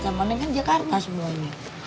sama neng kan jakarta semuanya